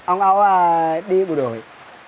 ông âu đi bộ đội